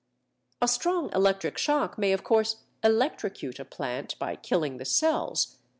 A strong electric shock may of course electrocute a plant by killing the cells.